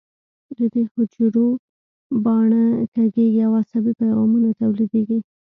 د دې حجرو باڼه کږېږي او عصبي پیغامونه تولیدېږي.